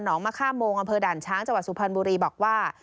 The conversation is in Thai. มะค่าโมงอำเภอด่านช้างจังหวัดสุพรรณบุรีบอกว่า